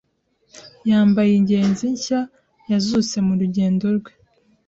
yambaye ingenzi nshya yazutse mu rugendo rwe